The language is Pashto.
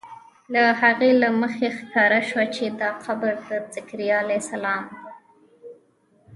له هغې له مخې ښکاره شوه چې دا قبر د ذکریا علیه السلام دی.